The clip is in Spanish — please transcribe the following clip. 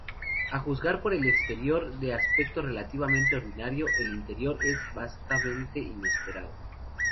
A juzgar por el exterior de aspecto relativamente ordinario, el interior es bastante inesperado.